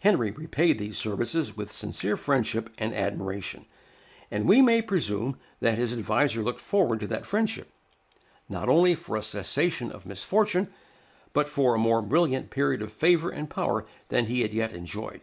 Henry repaid these services with sincere friendship and admiration; and we may presume that his adviser looked forward to that friendship, not only for a cessation of misfortune, but for a more brilliant period of favor and power than he had yet enjoyed.